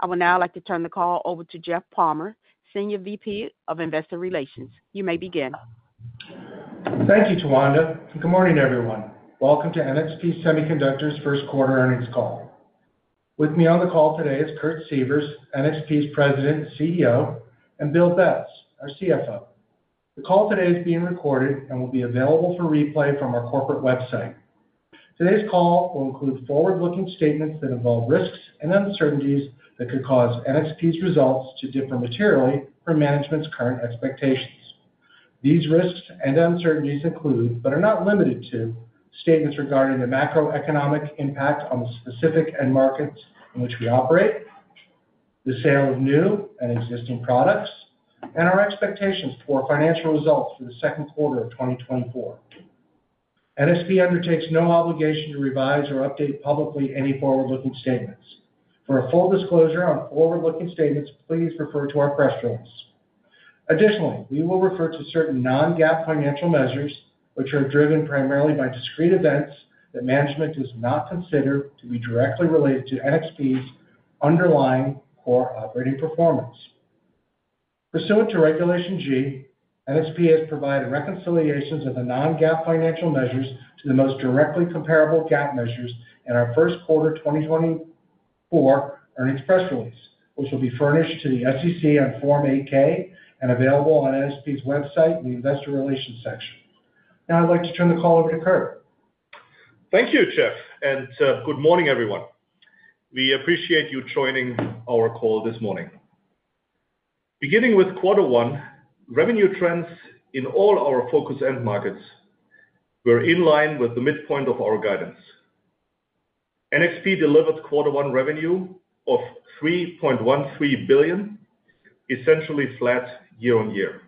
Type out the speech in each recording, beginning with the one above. I would now like to turn the call over to Jeff Palmer, Senior VP of Investor Relations. You may begin. Thank you, Tawanda. Good morning, everyone. Welcome to NXP Semiconductors' Q1 earnings call. With me on the call today is Kurt Sievers, NXP's President and CEO, and Bill Betz, our CFO. The call today is being recorded and will be available for replay from our corporate website. Today's call will include forward-looking statements that involve risks and uncertainties that could cause NXP's results to differ materially from management's current expectations. These risks and uncertainties include, but are not limited to, statements regarding the macroeconomic impact on the specific markets in which we operate, the sale of new and existing products, and our expectations for financial results for the Q2 of 2024. NXP undertakes no obligation to revise or update publicly any forward-looking statements. For a full disclosure on forward-looking statements, please refer to our press release. Additionally, we will refer to certain Non-GAAP financial measures, which are driven primarily by discrete events that management does not consider to be directly related to NXP's underlying core operating performance. Pursuant to Regulation G, NXP has provided reconciliations of the Non-GAAP financial measures to the most directly comparable GAAP measures in our Q1 2024 earnings press release, which will be furnished to the SEC on Form 8-K and available on NXP's website in the Investor Relations section. Now I'd like to turn the call over to Kurt. Thank you, Jeff, and good morning, everyone. We appreciate you joining our call this morning. Beginning with Q1, revenue trends in all our focus end markets were in line with the midpoint of our guidance. NXP delivered Q1 revenue of $3.13 billion, essentially flat year-on-year.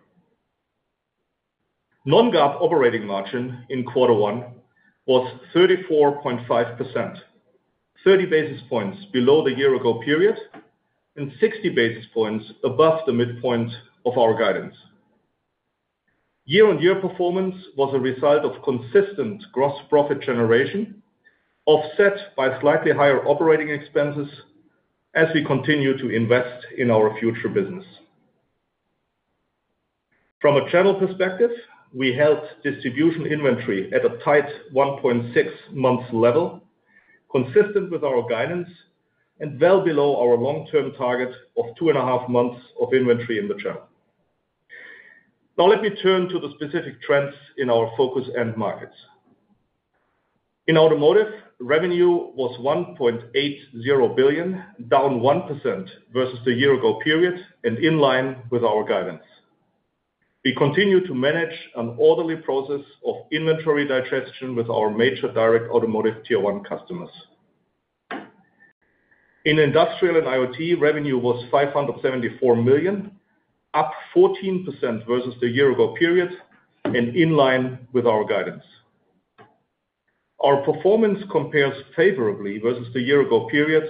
Non-GAAP operating margin in Q1 was 34.5%, 30 basis points below the year-ago period and 60 basis points above the midpoint of our guidance. Year-on-year performance was a result of consistent gross profit generation, offset by slightly higher operating expenses as we continue to invest in our future business. From a channel perspective, we held distribution inventory at a tight 1.6-month level, consistent with our guidance, and well below our long-term target of two and a half months of inventory in the channel. Now let me turn to the specific trends in our focus end markets. In automotive, revenue was $1.80 billion, down 1% versus the year-ago period and in line with our guidance. We continue to manage an orderly process of inventory digestion with our major direct automotive tier one customers. In industrial and IoT, revenue was $574 million, up 14% versus the year-ago period and in line with our guidance. Our performance compares favorably versus the year-ago period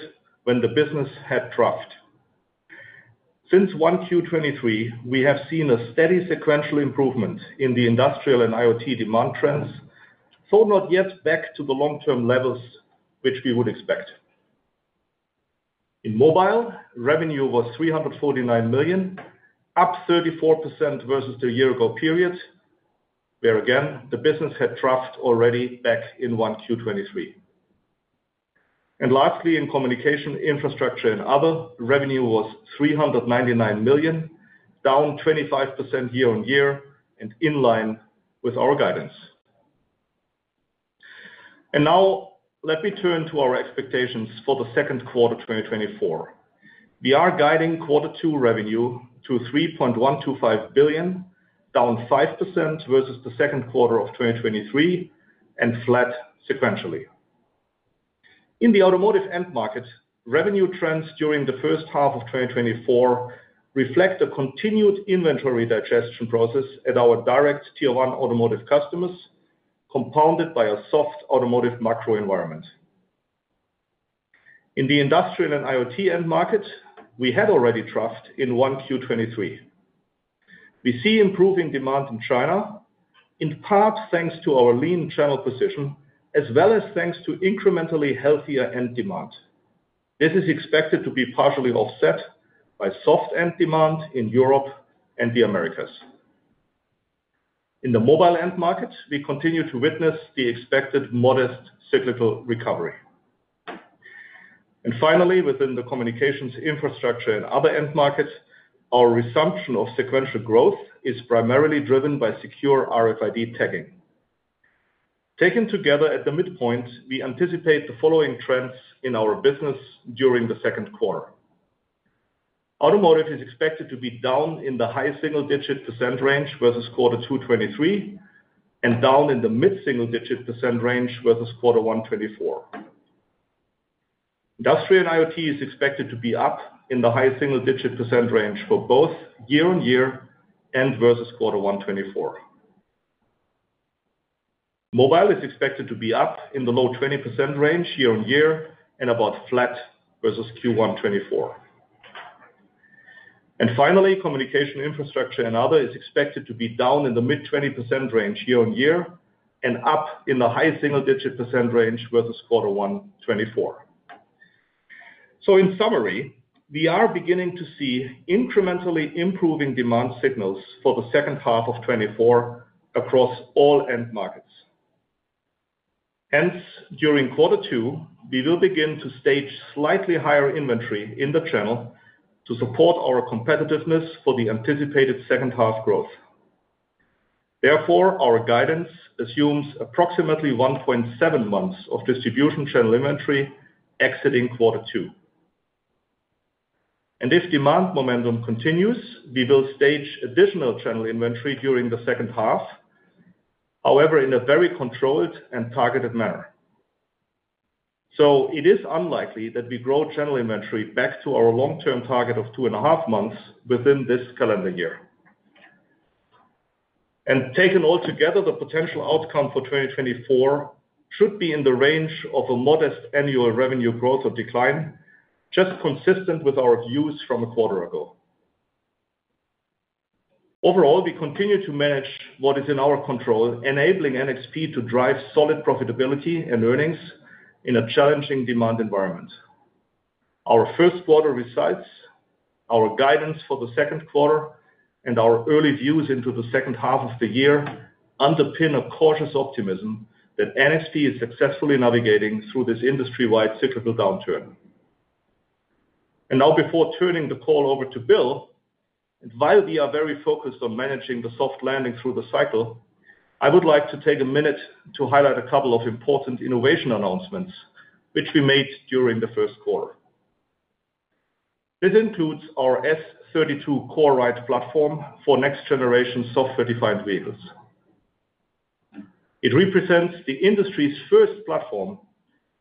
when the business had dropped. Since Q1 2023, we have seen a steady sequential improvement in the industrial and IoT demand trends, though not yet back to the long-term levels which we would expect. In mobile, revenue was $349 million, up 34% versus the year-ago period, where again, the business had dropped already back in Q1 2023. Lastly, in communication, infrastructure, and other, revenue was $399 million, down 25% year-on-year and in line with our guidance. Now let me turn to our expectations for the Q2 2024. We are guiding Q2 revenue to $3.125 billion, down 5% versus the Q2 of 2023 and flat sequentially. In the automotive end market, revenue trends during the first half of 2024 reflect a continued inventory digestion process at our direct Tier One automotive customers, compounded by a soft automotive macro environment. In the industrial and IoT end market, we had already dropped in Q123. We see improving demand in China, in part thanks to our lean channel position, as well as thanks to incrementally healthier end demand. This is expected to be partially offset by soft end demand in Europe and the Americas. In the mobile end market, we continue to witness the expected modest cyclical recovery. And finally, within the communications, infrastructure, and other end markets, our resumption of sequential growth is primarily driven by secure RFID tagging. Taken together at the midpoint, we anticipate the following trends in our business during the Q2. Automotive is expected to be down in the high single-digit % range versus quarter 2023 and down in the mid-single-digit % range versus quarter 2024. Industrial and IoT is expected to be up in the high single-digit % range for both year-on-year and versus quarter 2024. Mobile is expected to be up in the low 20% range year-on-year and about flat versus Q1 2024. And finally, communication, infrastructure, and other is expected to be down in the mid-20% range year-on-year and up in the high single-digit % range versus quarter 2024. So in summary, we are beginning to see incrementally improving demand signals for the second half of 2024 across all end markets. Hence, during Q2, we will begin to stage slightly higher inventory in the channel to support our competitiveness for the anticipated second half growth. Therefore, our guidance assumes approximately 1.7 months of distribution channel inventory exiting Q2. And if demand momentum continues, we will stage additional channel inventory during the second half, however, in a very controlled and targeted manner. So it is unlikely that we grow channel inventory back to our long-term target of 2.5 months within this calendar year. And taken altogether, the potential outcome for 2024 should be in the range of a modest annual revenue growth or decline, just consistent with our views from a quarter ago. Overall, we continue to manage what is in our control, enabling NXP to drive solid profitability and earnings in a challenging demand environment. Our Q1 results. Our guidance for the Q2 and our early views into the second half of the year underpin a cautious optimism that NXP is successfully navigating through this industry-wide cyclical downturn. And now before turning the call over to Bill, and while we are very focused on managing the soft landing through the cycle, I would like to take a minute to highlight a couple of important innovation announcements which we made during the Q1. This includes our S32 CoreRide platform for next-generation software-defined vehicles. It represents the industry's first platform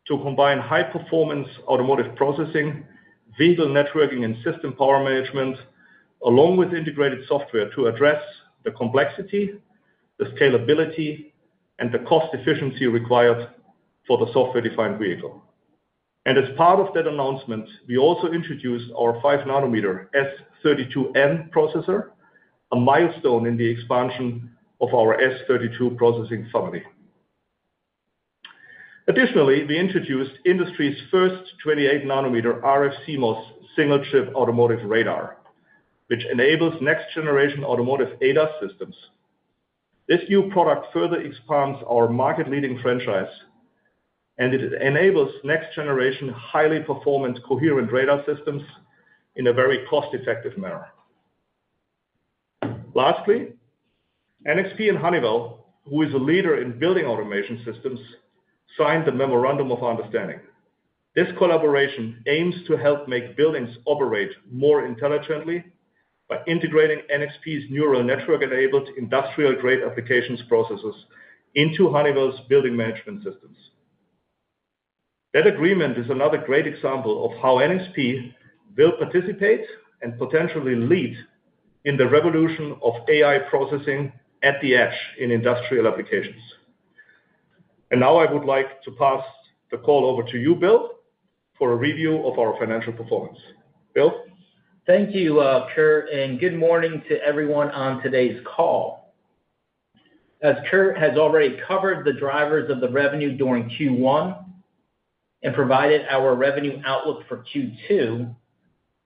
to combine high-performance automotive processing, vehicle networking, and system power management, along with integrated software to address the complexity, the scalability, and the cost efficiency required for the software-defined vehicle. As part of that announcement, we also introduced our 5-nanometer S32N processor, a milestone in the expansion of our S32 processing family. Additionally, we introduced industry's first 28-nanometer RFCMOS single-chip automotive radar, which enables next-generation automotive ADAS systems. This new product further expands our market-leading franchise, and it enables next-generation highly performant coherent radar systems in a very cost-effective manner. Lastly, NXP and Honeywell, who is a leader in building automation systems, signed the Memorandum of Understanding. This collaboration aims to help make buildings operate more intelligently by integrating NXP's neural network-enabled industrial-grade applications processes into Honeywell's building management systems. That agreement is another great example of how NXP will participate and potentially lead in the revolution of AI processing at the edge in industrial applications. And now I would like to pass the call over to you, Bill, for a review of our financial performance. Bill? Thank you, Kurt and good morning to everyone on today's call. As Kurt has already covered the drivers of the revenue during Q1 and provided our revenue outlook for Q2,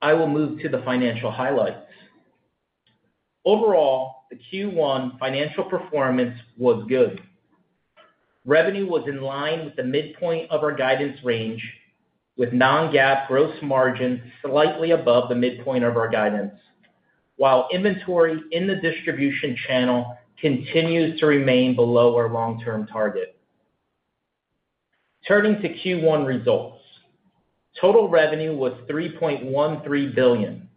I will move to the financial highlights. Overall, the Q1 financial performance was good. Revenue was in line with the midpoint of our guidance range, with non-GAAP gross margin slightly above the midpoint of our guidance, while inventory in the distribution channel continues to remain below our long-term target. Turning to Q1 results, total revenue was $3.13 billion,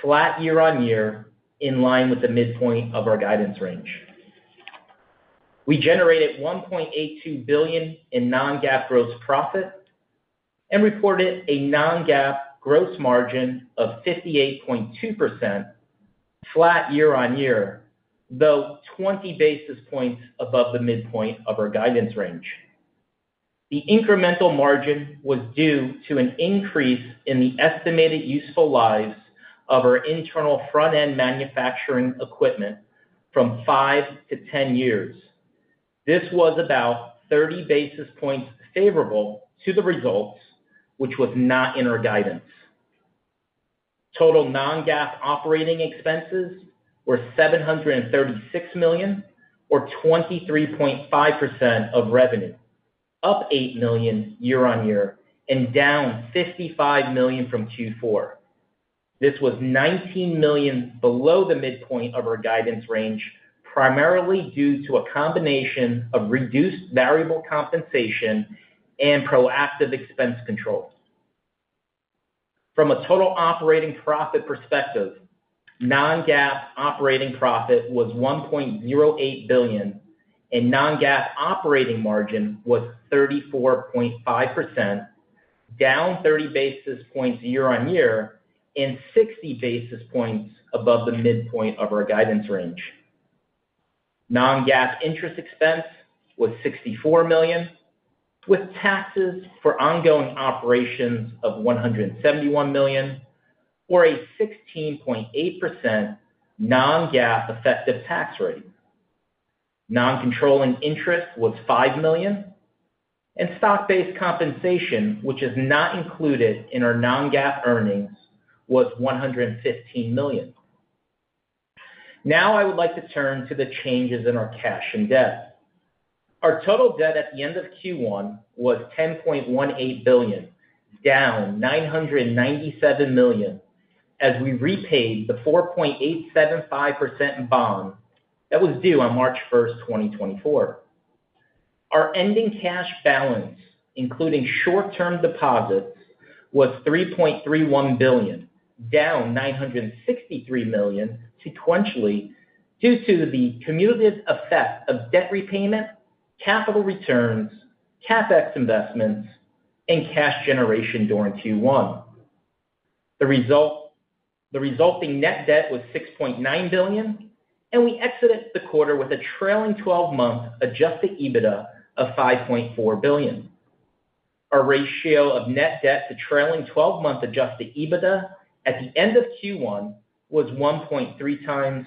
flat year-on-year, in line with the midpoint of our guidance range. We generated $1.82 billion in non-GAAP gross profit and reported a non-GAAP gross margin of 58.2%, flat year-on-year, though 20 basis points above the midpoint of our guidance range. The incremental margin was due to an increase in the estimated useful lives of our internal front-end manufacturing equipment from five to ten years. This was about 30 basis points favorable to the results, which was not in our guidance. Total non-GAAP operating expenses were $736 million, or 23.5% of revenue, up $8 million year-over-year and down $55 million from Q4. This was $19 million below the midpoint of our guidance range, primarily due to a combination of reduced variable compensation and proactive expense control. From a total operating profit perspective, non-GAAP operating profit was $1.08 billion, and non-GAAP operating margin was 34.5%, down 30 basis points year-over-year and 60 basis points above the midpoint of our guidance range. Non-GAAP interest expense was $64 million, with taxes for ongoing operations of $171 million, or a 16.8% non-GAAP effective tax rate. Non-controlling interest was $5 million, and stock-based compensation, which is not included in our non-GAAP earnings, was $115 million. Now I would like to turn to the changes in our cash and debt. Our total debt at the end of Q1 was $10.18 billion, down $997 million, as we repaid the 4.875% bond that was due on March 1st, 2024. Our ending cash balance, including short-term deposits, was $3.31 billion, down $963 million sequentially due to the cumulative effect of debt repayment, capital returns, CapEx investments, and cash generation during Q1. The resulting net debt was $6.9 billion, and we exited the quarter with a trailing 12-month adjusted EBITDA of $5.4 billion. Our ratio of net debt to trailing 12-month adjusted EBITDA at the end of Q1 was 1.3 times,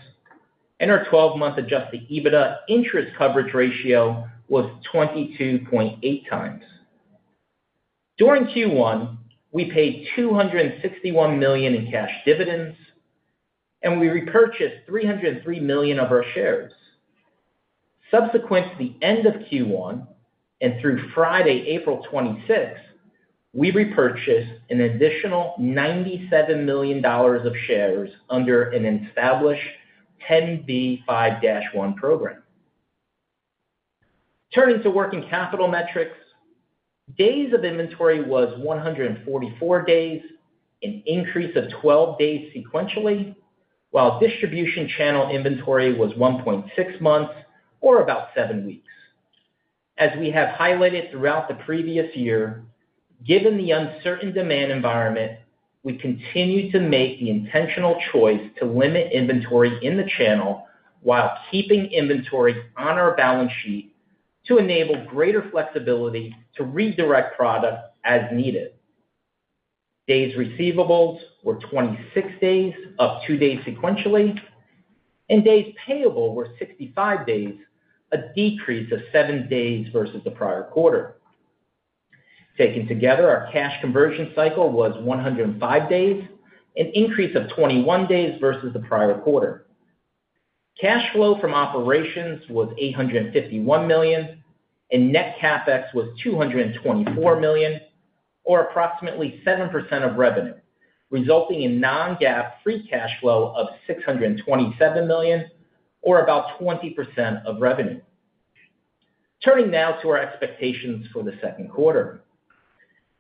and our 12-month adjusted EBITDA interest coverage ratio was 22.8 times. During Q1, we paid $261 million in cash dividends, and we repurchased $303 million of our shares. Subsequent to the end of Q1 and through 26 Friday, April, we repurchased an additional $97 million of shares under an established 10b5-1 program. Turning to working capital metrics, days of inventory was 144 days, an increase of 12 days sequentially, while distribution channel inventory was 1.6 months, or about seven weeks. As we have highlighted throughout the previous year, given the uncertain demand environment, we continue to make the intentional choice to limit inventory in the channel while keeping inventory on our balance sheet to enable greater flexibility to redirect product as needed. Days receivables were 26 days, up two days sequentially, and days payable were 65 days, a decrease of seven days versus the prior quarter. Taken together, our cash conversion cycle was 105 days, an increase of 21 days versus the prior quarter. Cash flow from operations was $851 million, and net CapEx was $224 million, or approximately 7% of revenue, resulting in non-GAAP free cash flow of $627 million, or about 20% of revenue. Turning now to our expectations for the Q2.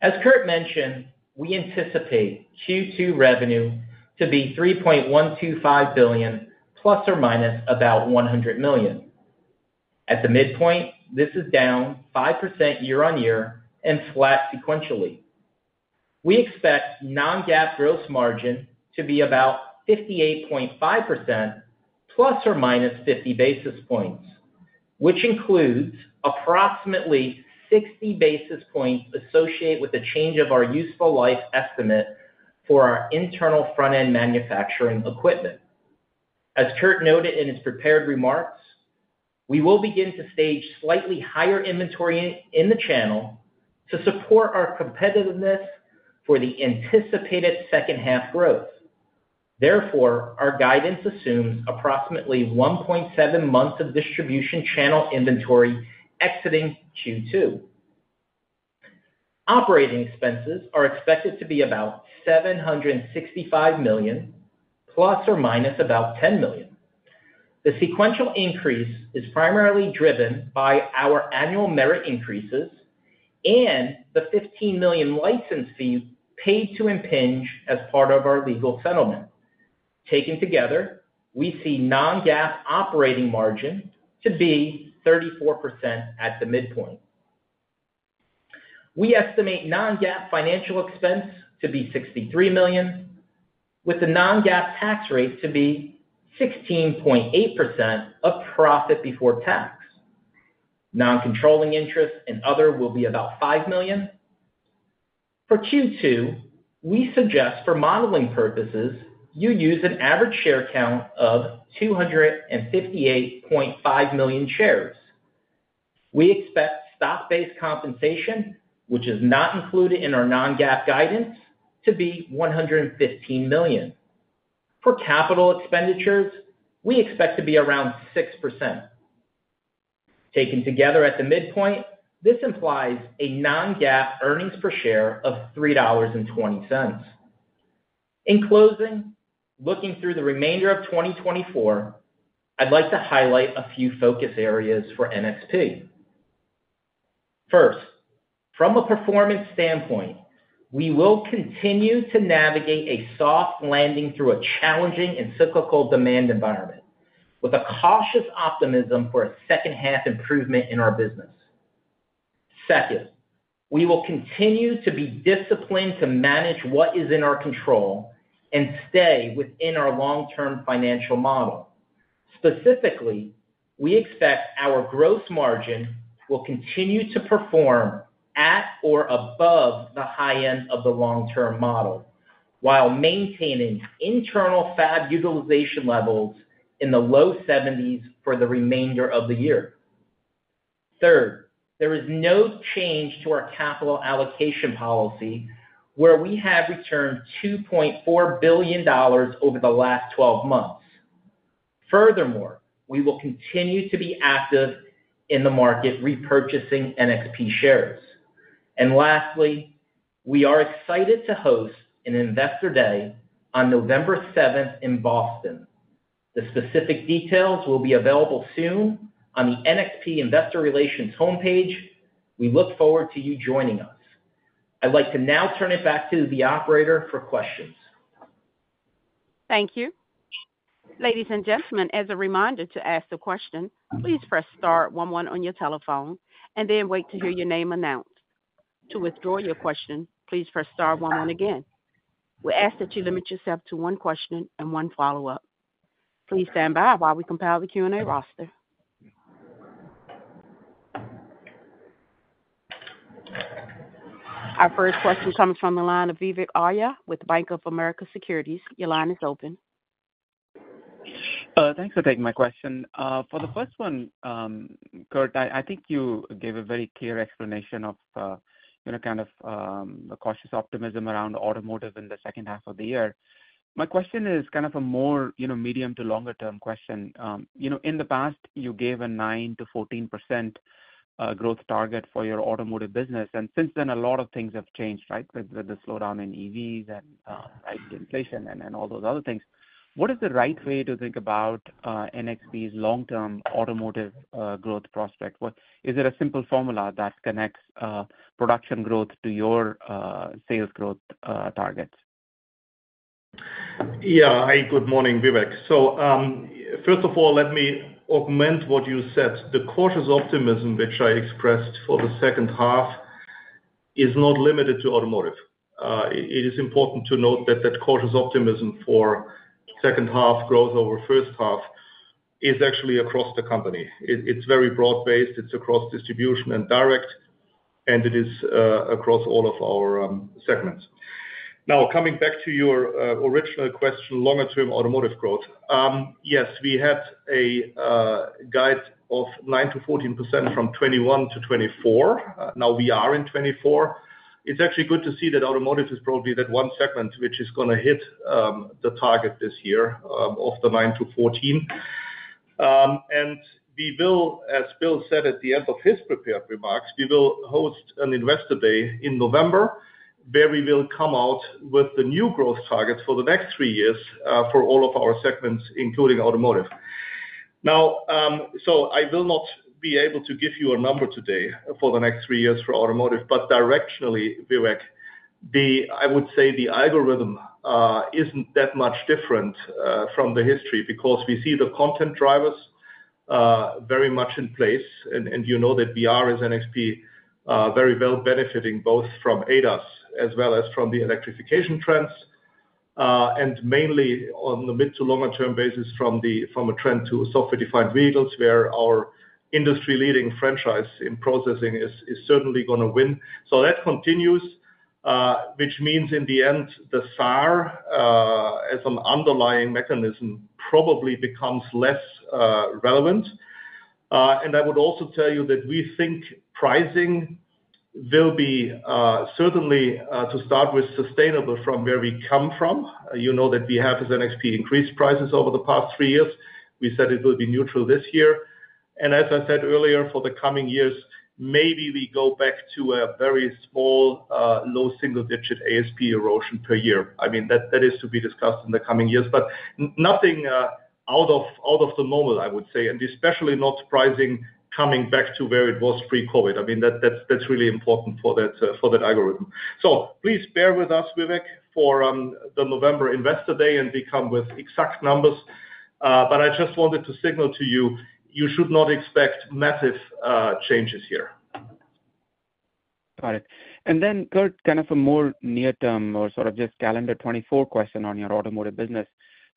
As Kurt mentioned, we anticipate Q2 revenue to be $3.125 billion, plus or minus about $100 million. At the midpoint, this is down 5% year-on-year and flat sequentially. We expect non-GAAP gross margin to be about 58.5% ± 50 basis points, which includes approximately 60 basis points associated with the change of our useful life estimate for our internal front-end manufacturing equipment. As Kurt noted in his prepared remarks, we will begin to stage slightly higher inventory in the channel to support our competitiveness for the anticipated second half growth. Therefore, our guidance assumes approximately 1.7 months of distribution channel inventory exiting Q2. Operating expenses are expected to be about $765 million, ±$10 million. The sequential increase is primarily driven by our annual merit increases and the $15 million license fee paid to Impinj as part of our legal settlement. Taken together, we see non-GAAP operating margin to be 34% at the midpoint. We estimate non-GAAP financial expense to be $63 million, with the non-GAAP tax rate to be 16.8% of profit before tax. Non-controlling interest and other will be about $5 million. For Q2, we suggest for modeling purposes, you use an average share count of 258.5 million shares. We expect stock-based compensation, which is not included in our Non-GAAP guidance, to be $115 million. For capital expenditures, we expect to be around 6%. Taken together at the midpoint, this implies a Non-GAAP earnings per share of $3.20. In closing, looking through the remainder of 2024, I'd like to highlight a few focus areas for NXP. First, from a performance standpoint, we will continue to navigate a soft landing through a challenging and cyclical demand environment, with a cautious optimism for a second half improvement in our business. Second, we will continue to be disciplined to manage what is in our control and stay within our long-term financial model. Specifically, we expect our gross margin will continue to perform at or above the high end of the long-term model, while maintaining internal FAB utilization levels in the low 70s for the remainder of the year. third, there is no change to our capital allocation policy, where we have returned $2.4 billion over the last 12 months. Furthermore, we will continue to be active in the market repurchasing NXP shares. And lastly, we are excited to host an Investor Day on November 7th in Boston. The specific details will be available soon on the NXP Investor Relations homepage. We look forward to you joining us. I'd like to now turn it back to the operator for questions. Thank you. Ladies and gentlemen, as a reminder to ask a question, please press star 11 on your telephone and then wait to hear your name announced. To withdraw your question, please press star 11 again. We're asked that you limit yourself to one question and one follow-up. Please stand by while we compile the Q&A roster. Our first question comes from the line of Vivek Arya with Bank of America Securities. Your line is open. Thanks for taking my question. For the first one, Kurt, I think you gave a very clear explanation of kind of the cautious optimism around automotive in the second half of the year. My question is kind of a more medium to longer-term question. In the past, you gave a 9%-14% growth target for your automotive business, and since then, a lot of things have changed, right, with the slowdown in EVs and inflation and all those other things. What is the right way to think about NXP's long-term automotive growth prospect? Is there a simple formula that connects production growth to your sales growth targets? Yeah. Good morning, Vivek. So first of all, let me augment what you said. The cautious optimism which I expressed for the second half is not limited to automotive. It is important to note that that cautious optimism for second half growth over first half is actually across the company. It's very broad-based. It's across distribution and direct, and it is across all of our segments. Now, coming back to your original question, longer-term automotive growth, yes, we had a guide of 9%-14% from 2021 to 2024. Now we are in 2024. It's actually good to see that automotive is probably that one segment which is going to hit the target this year of the 9%-14%. And we will, as Bill said at the end of his prepared remarks, we will host an Investor Day in November where we will come out with the new growth targets for the next three years for all of our segments, including automotive. So I will not be able to give you a number today for the next three years for automotive, but directionally, Vivek, I would say the algorithm isn't that much different from the history because we see the content drivers very much in place. And you know that we are as NXP very well benefiting both from ADAS as well as from the electrification trends, and mainly on the mid to longer-term basis from a trend to software-defined vehicles where our industry-leading franchise in processing is certainly going to win. So that continues, which means in the end, the SAAR as an underlying mechanism probably becomes less relevant. And I would also tell you that we think pricing will be certainly, to start with, sustainable from where we come from. You know that we have as NXP increased prices over the past three years. We said it will be neutral this year. And as I said earlier, for the coming years, maybe we go back to a very small low single-digit ASP erosion per year. I mean, that is to be discussed in the coming years, but nothing out of the normal, I would say, and especially not pricing coming back to where it was pre-COVID. I mean, that's really important for that algorithm. So please bear with us, Vivek, for the November Investor Day and come with exact numbers. But I just wanted to signal to you, you should not expect massive changes here. Got it. And then, Kurt, kind of a more near-term or sort of just calendar 2024 question on your automotive business.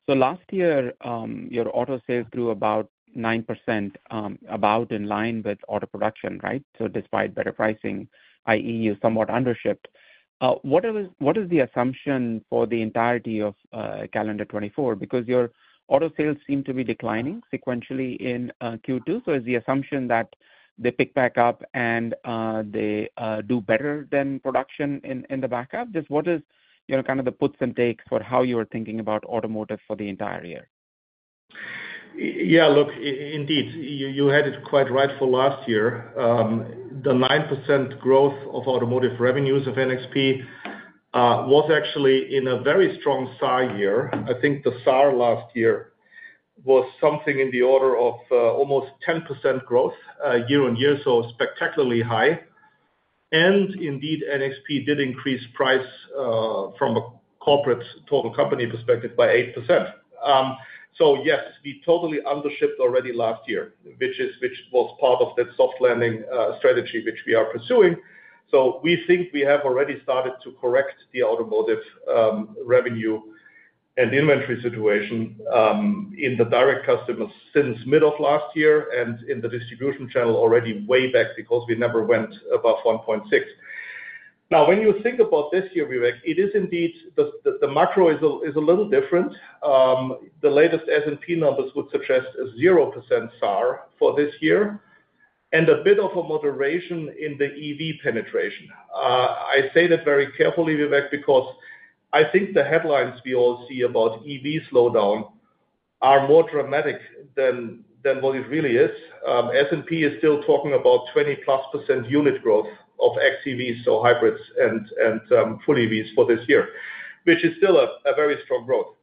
So last year, your auto sales grew about 9%, about in line with auto production, right, so despite better pricing, i.e., you somewhat undershipped. What is the assumption for the entirety of calendar 2024? Because your auto sales seem to be declining sequentially in Q2, so is the assumption that they pick back up and they do better than production in the backup? Just what is kind of the puts and takes for how you are thinking about automotive for the entire year? Yeah. Look, indeed, you had it quite right for last year. The 9% growth of automotive revenues of NXP was actually in a very strong SAAR year. I think the SAAR last year was something in the order of almost 10% growth year-on-year, so spectacularly high. And indeed, NXP did increase price from a corporate total company perspective by 8%. So yes, we totally undershipped already last year, which was part of that soft landing strategy which we are pursuing. So we think we have already started to correct the automotive revenue and inventory situation in the direct customers since mid of last year and in the distribution channel already way back because we never went above 1.6. Now, when you think about this year, Vivek, it is indeed the macro is a little different. The latest S&P numbers would suggest a 0% SAAR for this year and a bit of a moderation in the EV penetration. I say that very carefully, Vivek, because I think the headlines we all see about EV slowdown are more dramatic than what it really is. S&P is still talking about 20%+ unit growth of XEVs, so hybrids and fully EVs for this year, which is still a very strong growth.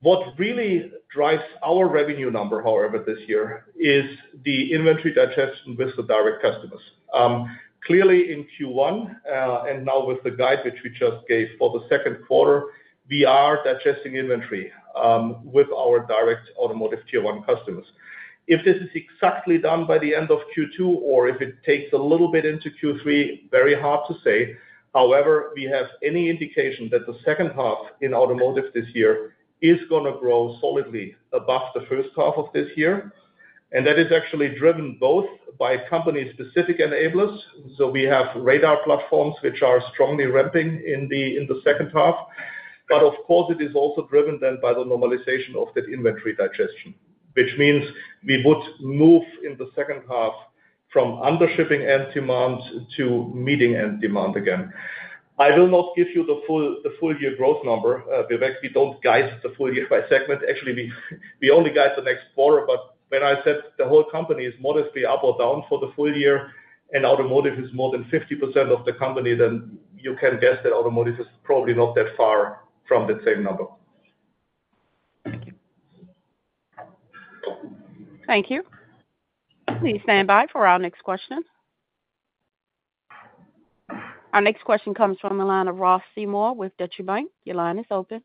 What really drives our revenue number, however, this year is the inventory digestion with the direct customers. Clearly, in Q1 and now with the guide which we just gave for the Q2, we are digesting inventory with our direct automotive Tier One customers. If this is exactly done by the end of Q2 or if it takes a little bit into Q3, very hard to say. However, we have no indication that the second half in automotive this year is going to grow solidly above the first half of this year. And that is actually driven both by company-specific enablers. So we have radar platforms which are strongly ramping in the second half. But of course, it is also driven then by the normalization of that inventory digestion, which means we would move in the second half from undershipping end demand to meeting end demand again. I will not give you the full year growth number, Vivek. We don't guide the full year by segment. Actually, we only guide the next quarter. But when I said the whole company is modestly up or down for the full year and automotive is more than 50% of the company, then you can guess that automotive is probably not that far from that same number. Thank you. Thank you. Please stand by for our next question. Our next question comes from the line of Ross Seymore with Deutsche Bank. Your line is open.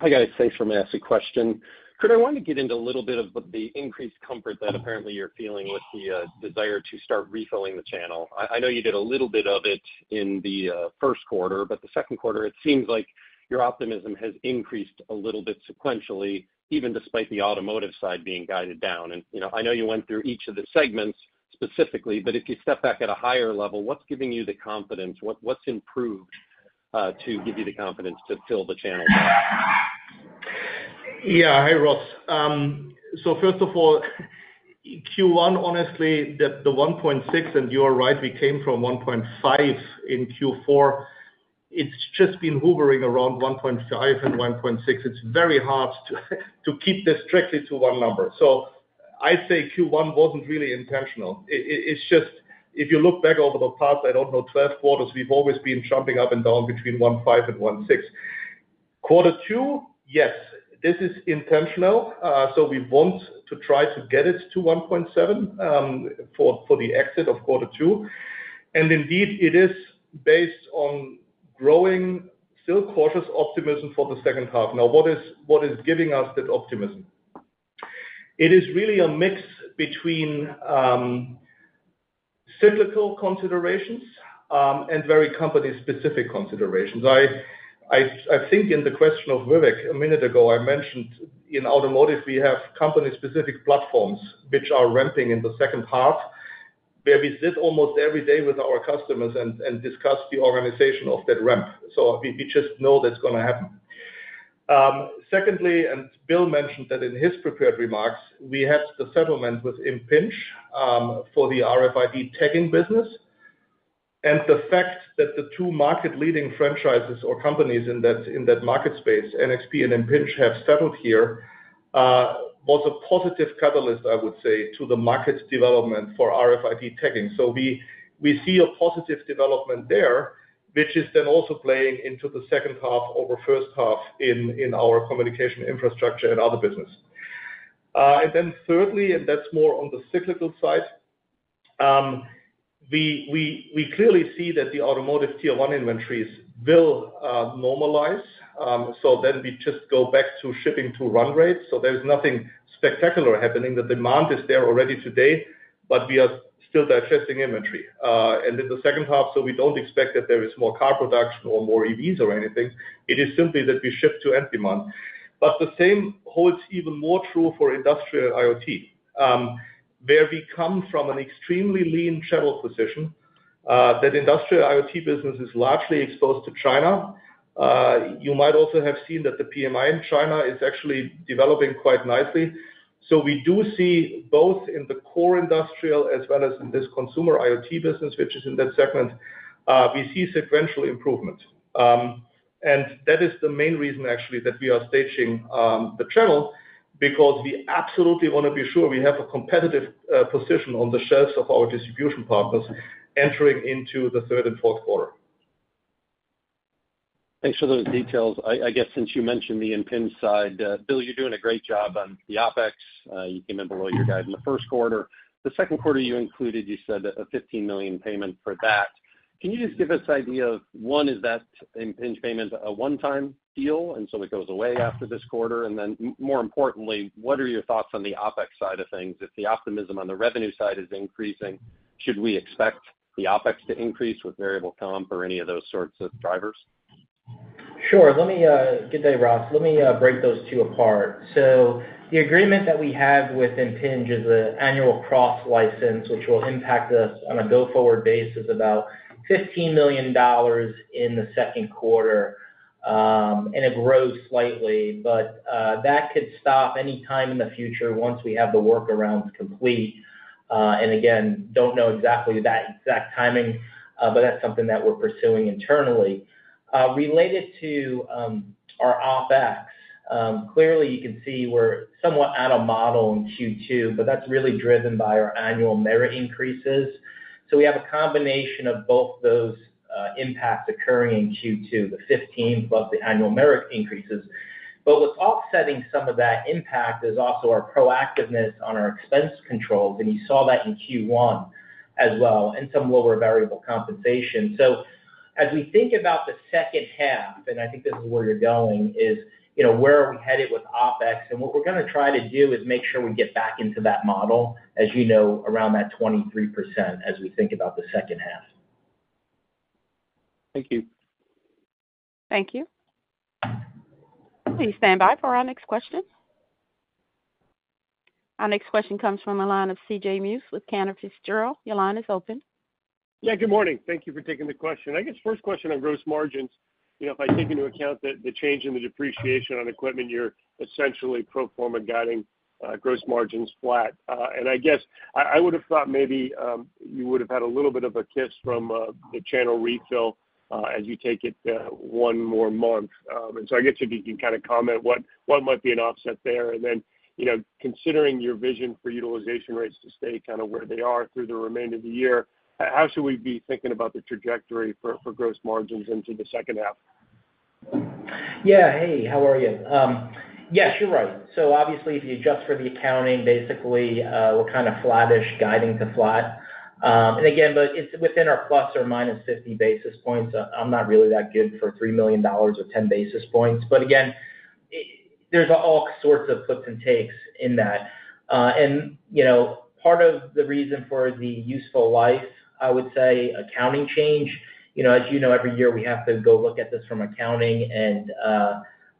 Hi guys. Thanks for taking my question. Kurt, I wanted to get into a little bit of the increased comfort that apparently you're feeling with the desire to start refilling the channel. I know you did a little bit of it in the Q1, but the Q2, it seems like your optimism has increased a little bit sequentially, even despite the automotive side being guided down. And I know you went through each of the segments specifically, but if you step back at a higher level, what's giving you the confidence? What's improved to give you the confidence to fill the channel down? Yeah. Hi, Ross. So first of all, Q1, honestly, the 1.6 and you are right, we came from 1.5 in Q4. It's just been hovering around 1.5 and 1.6. It's very hard to keep this strictly to one number. So I'd say Q1 wasn't really intentional. It's just if you look back over the past, I don't know, 12 quarters, we've always been jumping up and down between 1.5 and 1.6. Q2, yes, this is intentional. So we want to try to get it to 1.7 for the exit of Q2. And indeed, it is based on growing, still cautious optimism for the second half. Now, what is giving us that optimism? It is really a mix between cyclical considerations and very company-specific considerations. I think in the question of Vivek a minute ago, I mentioned in automotive, we have company-specific platforms which are ramping in the second half where we sit almost every day with our customers and discuss the organization of that ramp. So we just know that's going to happen. Secondly, and Bill mentioned that in his prepared remarks, we had the settlement with Impinj for the RFID tagging business. And the fact that the two market-leading franchises or companies in that market space, NXP and Impinj, have settled here was a positive catalyst, I would say, to the market development for RFID tagging. So we see a positive development there, which is then also playing into the second half over first half in our communication infrastructure and other business. And then quarterly, and that's more on the cyclical side, we clearly see that the automotive Tier One inventories will normalize. So then we just go back to shipping to run rates. So there's nothing spectacular happening. The demand is there already today, but we are still digesting inventory. And in the second half, so we don't expect that there is more car production or more EVs or anything. It is simply that we ship to end demand. But the same holds even more true for industrial IoT where we come from an extremely lean shadow position. That industrial IoT business is largely exposed to China. You might also have seen that the PMI in China is actually developing quite nicely. So we do see both in the core industrial as well as in this consumer IoT business, which is in that segment, we see sequential improvement. That is the main reason, actually, that we are staging the channel because we absolutely want to be sure we have a competitive position on the shelves of our distribution partners entering into the Q3 and Q4. Thanks for those details. I guess since you mentioned the Impinj side, Bill, you're doing a great job on the OpEx. You came in below your guide in the Q1. The Q2, you included, you said, a $15 million payment for that. Can you just give us an idea of, one, is that Impinj payment a one-time deal and so it goes away after this quarter? And then more importantly, what are your thoughts on the OpEx side of things? If the optimism on the revenue side is increasing, should we expect the OpEx to increase with variable comp or any of those sorts of drivers? Sure. Good day, Ross. Let me break those two apart. So the agreement that we have with Impinj is an annual cross-license which will impact us on a go-forward basis about $15 million in the Q2, and it grows slightly. But that could stop anytime in the future once we have the workarounds complete. And again, don't know exactly that exact timing, but that's something that we're pursuing internally. Related to our OpEx, clearly, you can see we're somewhat out of model in Q2, but that's really driven by our annual merit increases. So we have a combination of both those impacts occurring in Q2, the 15 plus the annual merit increases. But what's offsetting some of that impact is also our proactiveness on our expense controls. And you saw that in Q1 as well and some lower variable compensation. As we think about the second half, and I think this is where you're going, is where are we headed with OpEx? What we're going to try to do is make sure we get back into that model, as you know, around that 23% as we think about the second half. Thank you. Thank you. Please stand by for our next question. Our next question comes from the line of C.J. Muse with Cantor Fitzgerald. Your line is open. Yeah. Good morning. Thank you for taking the question. I guess first question on gross margins: if I take into account the change in the depreciation on equipment, you're essentially pro forma guiding gross margins flat. And I guess I would have thought maybe you would have had a little bit of a kiss from the channel refill as you take it one more month. And so I guess if you can kind of comment what might be an offset there. And then considering your vision for utilization rates to stay kind of where they are through the remainder of the year, how should we be thinking about the trajectory for gross margins into the second half? Yeah. Hey. How are you? Yes. You're right. So obviously, if you adjust for the accounting, basically, we're kind of flat-ish, guiding to flat. And again, but it's within our plus or minus 50 basis points. I'm not really that good for $3 million or 10 basis points. But again, there's all sorts of puts and takes in that. And part of the reason for the useful life, I would say, accounting change, as you know, every year, we have to go look at this from accounting. And